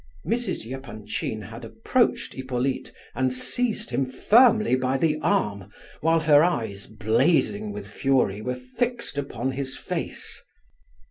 Mrs. Epanchin had approached Hippolyte and seized him firmly by the arm, while her eyes, blazing with fury, were fixed upon his face.